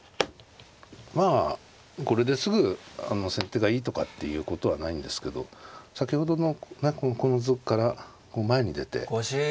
まあこれですぐ先手がいいとかっていうことはないんですけど先ほどのこの図から前に出て元気がね